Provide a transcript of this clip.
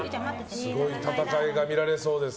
すごい戦いが見られそうです。